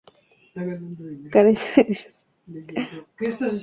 Carece de destacamento o comisaría de policía.